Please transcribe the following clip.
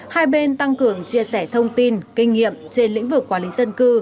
hai bên tăng cường chia sẻ thông tin kinh nghiệm trên lĩnh vực quản lý dân cư